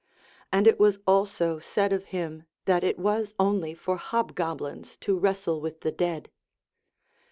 And it was also said of him that it was only for hobgoblins to wrestle with the dead.